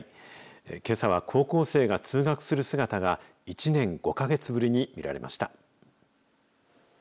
けさは高校生が通学する姿が１年５か月ぶりに見られました。